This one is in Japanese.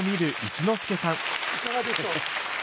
いかがでしょう？